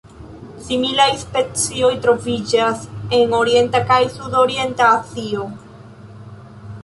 Similaj specioj troviĝas en Orienta kaj Sudorienta Azio.